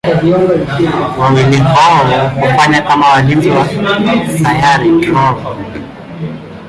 Wawili hao hufanya kama walinzi wa Sayari Drool.